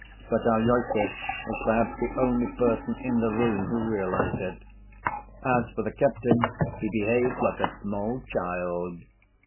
But Alyosha was perhaps the only person in the room who realized it. As for the captain he behaved like a small child.